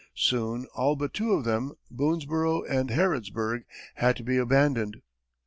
Soon all but two of them, Boonesborough and Harrodsburg, had to be abandoned.